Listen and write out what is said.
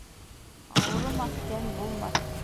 Ауырымаҫ тән булмаҫ.